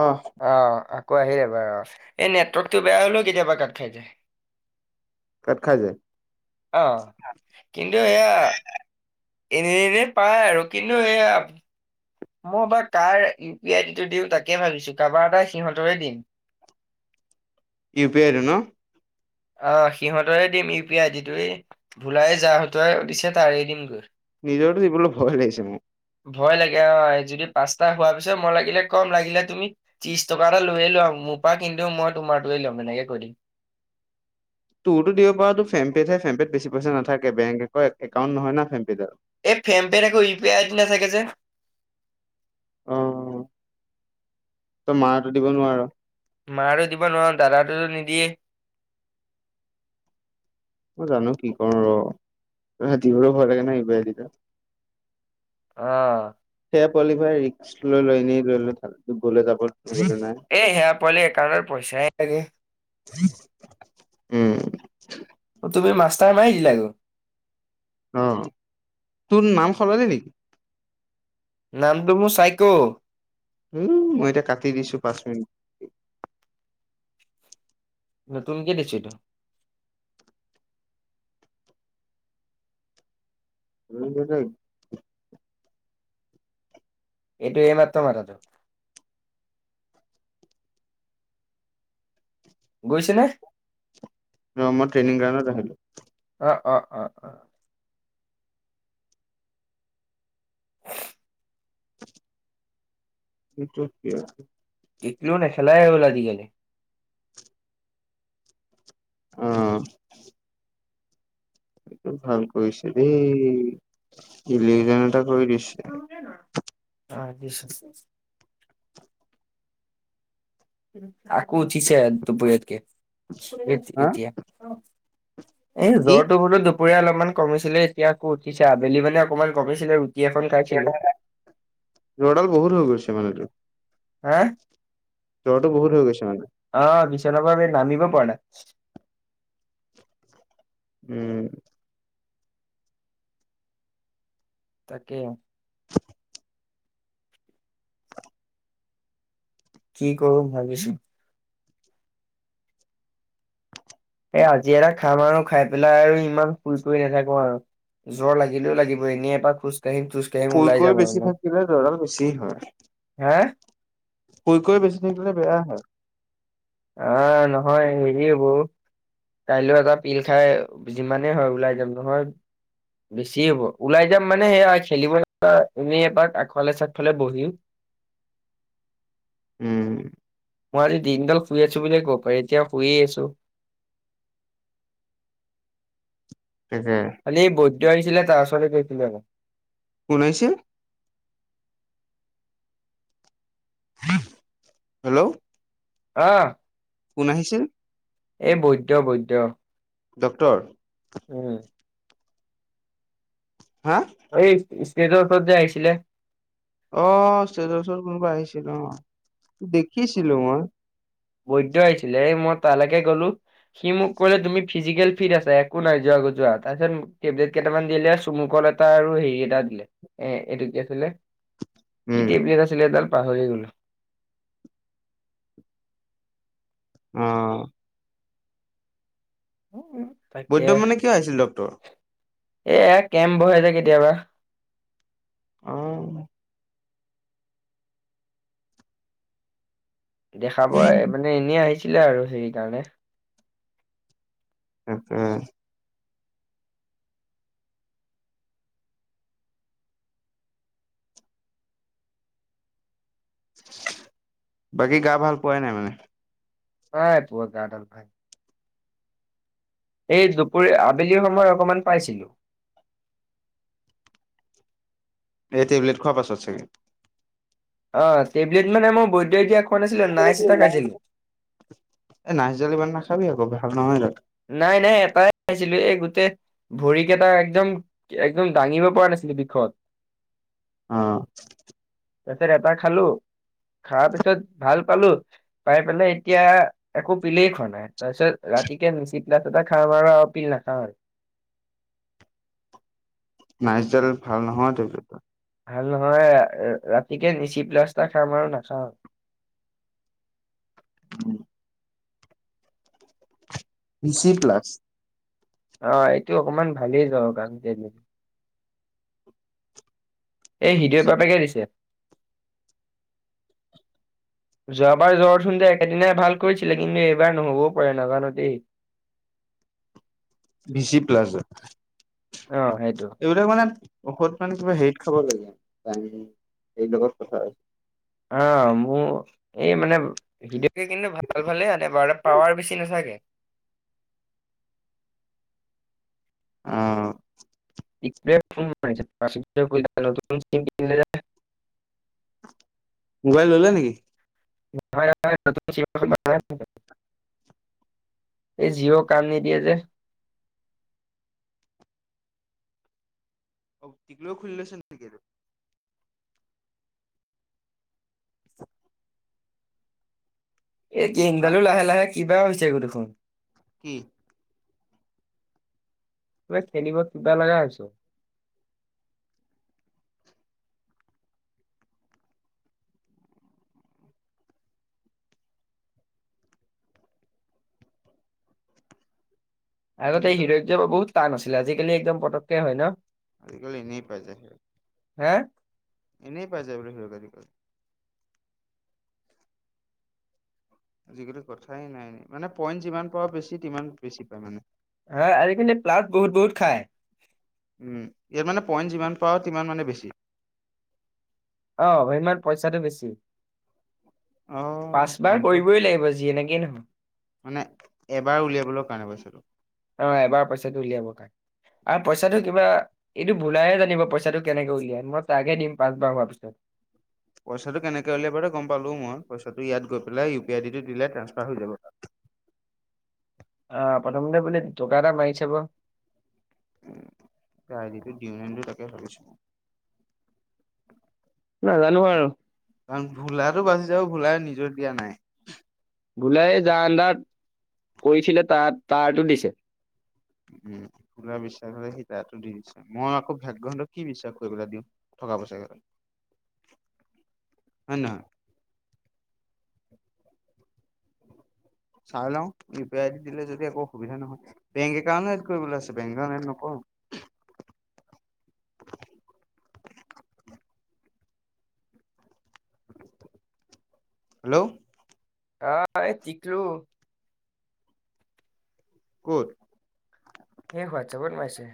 অহ আহ আকৌ আহিল এবাৰ। এই নেটৱৰ্কতটো বেয়া হলেও কেতিয়াবা কাত খাই যায়। কাত খাই যায়। আহ, কিন্তু এয়া - এনে এনেই পায় আৰু কিন্তু এয়া মই বাাৰ কাৰ ইউ পি আই আই ডিটো দিওঁ তাকে ভাবিছোঁ কাৰোবাৰ এটা সিহঁতৰে দিম [inaudible] ই পি আইটো ন অ সিহঁতেৰে দিম U P I I D োৱে ভোলাই যাহঁতৰে দিছে তাৰে দিম গৈ নিজৰটো দিবলৈ ভয় লাগিছে মই ভয় লাগে অ যদি পাঁচটা হোৱাৰ পিছত মই লাগিলে কম লাগিলে তুমি ত্ৰিশ টকা এটা লৈয়ে লোৱা মোৰ পৰা কিন্তুও মই তোমাৰ দোৱে ল'ম তেনেকে কৈ দিম তোৰতো দিব পৰা তো ফেমপেহে ফেমপ'ত বেছিইচাথাকেংক একাউট নহ ন ফেমপে'ত এই ফেম পেনে একো ই পি আই নাথাকে যে অ তই মাৰো দিব নোৱাৰ মাটো দিব নোৱাৰো দাদাটোো নিদিয়ে মই জানো কি কৰো ৰ হাতীবোৰ ভয় লাগে ন এইবাৰা আহ কোৱালিফাই ৰিক্কছ লৈ লৈনে লৈ ললো গ'লে যাবত এই সেয়া পোৱালি একাউণ্টৰ পইচাই নেথাকে উম তুমি মাষ্টাৰ মাৰি দিলাগৈ অ তোৰ নাম সলনি নেকি নামটো মোৰ চাইক উম মই এতি কাটি দিছো পাঁচ মিনিট নতুন কে দিছো এইটো [unintelligible] এইটো এইমাত্ৰ মঠটো গৈছেনে মমই ্ৰেইং ৰা নিলো অ অ অ অ [unintelligible] [unintelligible] একলও নাই খেলাই বল আজিকালি উম সেটো ভাল কৰিছে দেই লিভিজন এটা কৰি দিছে অ বিশছ আকো উঠিছে দুপৰীয়াত কে হা এতিয়া এই কি? জ্বৰটো বোলো দুপৰীয়া অলপমান কমিছিলে এতিয়া আকৌ উঠিছে আবেলি মানে অকণমান কমিছিলে এখন খাইছিলো জ্বৰডাল বহুত হৈ গৈছে মানে ৰ হা জ্বৰটো বহুত হৈ গৈছে মানে অ নামিব পা উম তাকেই কি কৰম ভাবিছো এই আজি এটা খাম আৰু খাই পেলাই আৰু ইমান ফুৰ কৰি নাথাকো আৰু জ্বৰ লাগিলেও লাগিব এনেই এপ পৰা খোজ কাঢ়িম খোজ কাঢ়িম ওলাই কুলকৈ যাম আৰু বেছি মই। থাকিলে জৰাল বেছি হয় হা কৈ কৈ বেছি থাকিলে বেয়াাই হয় আহ নহয় হেৰি হব কাইলৈ এটা পিল খাই যিমানেই হয় ওলাই যাম নহয় বেছি হ'ব ওলাই যাম মানে সেয়া খেলিব এনেই এবাক আগফালে চাইফালে বহিম [inaudible] উম মই আজি দিনডাল শুই আছো বুলিয়ে কব পাৰি এতিয়া শুইয়ে আছো [inaudible] তাকে কালি এই বৈদ্য আহিছিলে তাৰ আওচতে গৈছিল আ কোনাইছে হেল্ল' আহ কোন আহিছে এ বৈদ্য বৈদ্য ডক্টৰ উম হা? এই ষ্টেটৰ ওচৰত যে আহিছিলে অ জৰ ওচৰত কোনোবা আহিছিলো ন দেখিছিলো মই বৈধ আহিছিলে মই তালৈকে গ'লো সি মোক কলে তুমি ফিজিকেল ফিট আছে। একো নাই, যোৱাগৈ যোৱা। তাৰপিছত টেবলেট কেটামান দিলে আৰু চুমুকল এটা আৰু হেৰি এটা এ', এইটো কি আছিলে? কি উম, টেবলেট আছিল এইডাল পাহৰিয়ে গ'লোঁ। অ'। উম'। তাকে বৈদ্যমানে কিয় আহিছিল ডক্টৰ? এয়া কেম্প বহাই যে কেতিয়াবা অহ দেখাব মানে এনেই আহিছিলে আৰু সেই কাৰণে তাক বাকী গা ভাল পোৱাই নাই মানে হয় পত গাৰ্ডল ভাই এই দুপৰীয়া, আবেলিৰ সময়ত অকমান পাইছিলোঁ। এই টেবলেট খোৱা পাছত চাগে। অ', টেবলেট মানে মই বৈদ্যয়ে দিয়া খোৱা নাছিলো সি নাইচ ক'লৈকো এটা ওলাই খাইছিলো [unintelligible] এ', নাইচডাল ইমান নাখাবি আকৌ, ভাল নহয় এইডাল। ছিলোঁ। এই গোটেই ভৰি কেটা একদম, একদম দাঙিব পৰা নাছিলো বিষত। অহ'। তাৰছত এটা খালোঁ। খাৱা পিছত ভাল পালোঁ। পাই পেলাই এতিয়া একো পিলেই খোৱা নাই, তাৰপিছত ৰাতি এতিয়া নিচি প্লাছ এটা খাই বাৰ আৰু পিল নাখাওঁ আৰু। নাইচডাল ভাল নহয়টো [unintelligible] ভাল নহয়। ৰা-ৰাতিকে নিচি প্লাছ্টা খাম আৰু নাখাওঁ। নিচি প্লাছ। অ', এইটো অকমান ভালেই জ্বৰৰ কাৰণ টেবলেট। এই হ্ৰীদয় বাপেকে দিছে। যোৱাবাৰ জ্বৰত চোনযে একেদিনাই ভাল কৰিছিলে, কিন্তু এইবাৰ নহ'বও পাৰে, নাজানোঁ দেই। বি চি প্লাজা অ', হেইটো। ঔষধ মানে কিবা হেৰিত খাব লাগে। টাইম্‌লি এই লগত কথা আছ আ', মোৰ, এই মানে হিদে সি কিন্তু ভাল ভালে আনে বাৰু পাৱাৰ বেছি নাথাকে। উম'। [unintelligible] [inaudible] মোবাইল ল'লে নেকি? [unintelligible] নতুন চিম এখন [unintelligible] এই জিঅ' কাম নিদিয়ে যে। অ', তিক্‌লোয়েও খুলি লৈছে নেকি এইটো? এই হা গেমডালো লাহে লাহে কিবা হৈছেগৈ দেখোন। কি? কিবা খেলিব কিবা লাগা আইছো। গেম আগতে এই হিৰইত যাব বহুত টান আছিলে, আজিকালি একদম পতক্‌কে হয় ন? আজিকালি এনেই পাই যায়। হা? এনেই পাই যে। [unintelligible] আজিকালি কথাই নাই, মানে, পইণ্ট যিমান পা বেছিিমান বেছি পায়, মানে। হ, আজিকালি প্লাট বহুত, বহুত খায়। উম ইয়াত মানে পইণ্ট যিমান পাওঁ সমান মানে বেছি অ', ভ ইমান পইচাটো বেছি, অ পাঁচবাৰ পইণ্টৰ কৰিবই লাগিব যি এনেকে মানে এবাৰ উলিয়াবলৈ কাৰণে পইচাটো অ', এবাৰ পইচাটো উলিয়াব আৰু পইচাটো কিবা এইটো ভুলাইে জানিব পইচাটো কেনেকে উলিয়াই, মই তাকে দিম পাঁচবাৰ হোৱাৰ পিছত। [inaudible] পইচাটো কেনেকৈ উলিয়াই বাৰু গম পালোঁ মই। পইচাটো ইয়াত গৈ পেলাই, ইউ পি আইডিটো দিলে, ট্ৰাঞ্চফাৰ হৈ যাব তাত। আ', প্ৰথমতে বোলে দুটকা এটা মাৰি চাব। উম', এই আই ডিটো দিউনে নিদিওঁ তাকে ভাবিছোঁ নাজানোঁ আৰু। কাৰণ ভোলাটো বাচি যাব, ভোলাই নিজৰ দিয়া নাই। ভোলায়ে যাৰ আণ্ডাৰত কৰিছিলে, তাৰ-তাৰটো দিছে। উম', ভোলাই বিশ্বাস হ'লে সি তাৰটো দি দিছে, মই আকৌ ভাগ্য হঁতক কি বিশ্বাস কৰি পেলাই দিওঁ। টকা-পইচাকেটা। [inaudible] [unintelligible] [inaudible] চাই লওঁ, ইউ পি আই দিলে যদি একো অসুবিধা নহয়, বেংক একা এ কৰিব আ বেংক এড নকৰো। [inaudible] হেল্ল'। আহ', [unintelligible] কত? সেই [unintelligible] মাইছে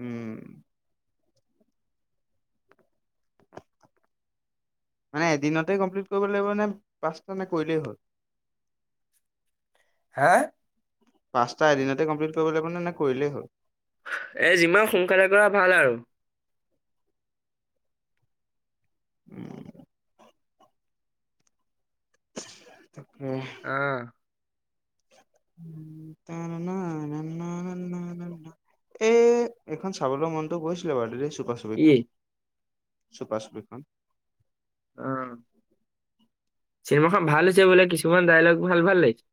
উম। মানে এদিনতে কমপ্লিট কৰিব লাগিব নে, পাঁচটা মে কৰিলেই হ'ল? হা? পাঁচটা এদিনতে কমপ্লিট কৰিব লাগিব মানে, নে কৰিলেই হ'ল? এ, যিমান সোনকালে কৰা ভাল, আৰু উম। [unintelligible] [unintelligible] এ, এখন চাবলৈ মনতটো গৈছিলে [unintelligible] কি চুপা-চুপিখন, চুপা চুপিখন। অ চিনেমাখন ভাল হৈছে বোলে, কিছুমান ডায়লগ, ভাল-ভাল লাগিছে।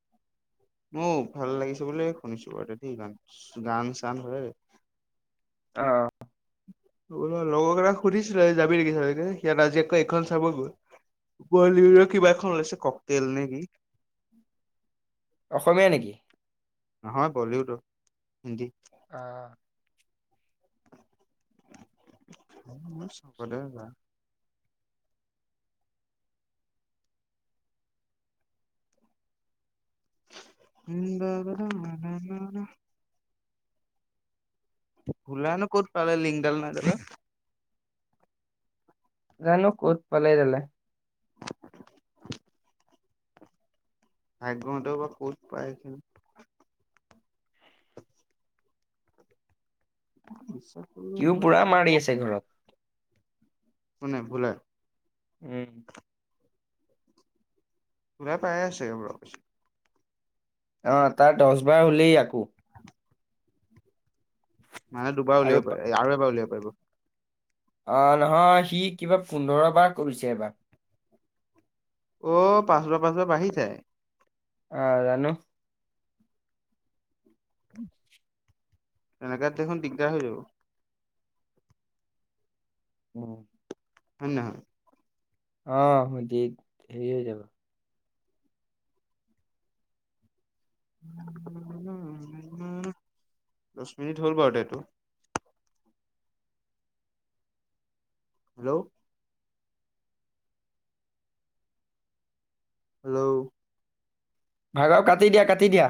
অ', ভাল লাগিছে বুলিয়ে শুনিছো, বাৰু [unintelligible] গান-চান হয়। অ অ লগৰ কেইাক সুধিছিলোে যাবি লাগি সয়াত আজিয়ৈ এইখন চাব গ'ল বলিউ কিবা এখন ওলাইছে কক তেেল নেকি অসমীয়া নেকি নহয় বলিউডৰ হিন্দী অ চাবতে যা এ মানান ভোল নো ক'ত পালে লিংডাল না যাব জানো ক'ত পালাই জালে ভাগ্যহতে বা ক'ত পাইছিল নিশ্চয় সও পুৰা মাৰি আছে ঘৰত শ নাই ভুল উম। তৰা পাই আছে গ অ', তাৰ দহ বাৰ হ'লেই আকৌ। মানে দুবাৰ উলিয়াব আৰু পাৰি আৰু এবাৰ উলিয়াব পাৰিব। আহ নহয় সি কিবা পোন্ধৰ বাৰ কৰিছে এবাৰ অ', পাচবা পাচবা বাঢ়ি যায়। অ', অ', জানো? উম তেনেকাত দেখোন দিগদাৰ হৈ যাব উম হয় ন অ সজিত হেৰি হৈ যাব উ উ দহ মিনিট হ'ল বাৰু দেটো হেল্ল'। হেল্ল'। ভাগাৰ কাটি দিয়া কাটি দিয়া।